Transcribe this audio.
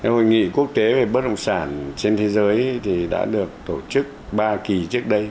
hội nghị quốc tế về bất động sản trên thế giới đã được tổ chức ba kỳ trước đây